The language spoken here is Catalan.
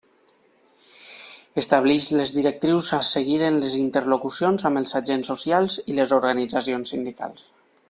Estableix les directrius a seguir en les interlocucions amb els agents socials i les organitzacions sindicals.